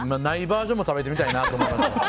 ないバージョンも食べてみたいな。